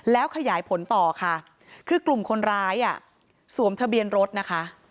แล้วขยายผลต่อค่ะคือกลุ่มคนร้ายอ่ะสวมทะเบียนรถนะคะ